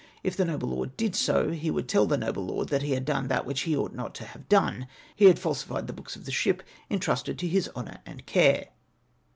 If the noble lord did so, he would tell the noble lord he had done that which he ought not to have done — he had falsified the books of the ship entrusted to Ins honour and care.